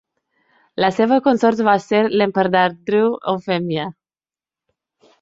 La seva consort va ser l'emperadriu Eufèmia.